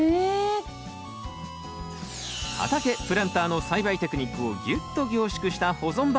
畑プランターの栽培テクニックをギュッと凝縮した保存版。